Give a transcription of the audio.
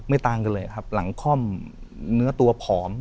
ต่างกันเลยครับหลังค่อมเนื้อตัวผอม